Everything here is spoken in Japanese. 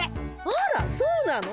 あらそうなの？